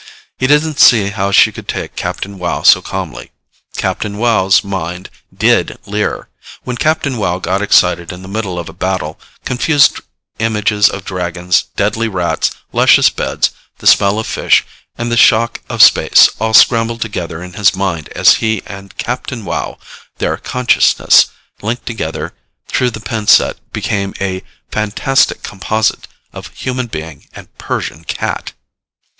He didn't see how she could take Captain Wow so calmly. Captain Wow's mind did leer. When Captain Wow got excited in the middle of a battle, confused images of Dragons, deadly Rats, luscious beds, the smell of fish, and the shock of space all scrambled together in his mind as he and Captain Wow, their consciousnesses linked together through the pin set, became a fantastic composite of human being and Persian cat.